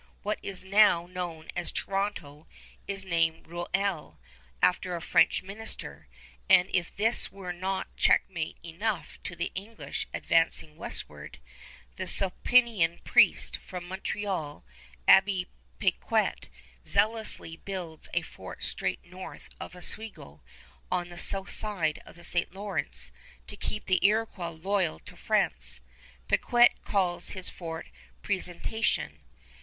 What is now known as Toronto is named Rouillé, after a French minister; and as if this were not checkmate enough to the English advancing westward, the Sulpician priest from Montreal, Abbé Picquet, zealously builds a fort straight north of Oswego, on the south side of the St. Lawrence, to keep the Iroquois loyal to France. Picquet calls his fort "Presentation."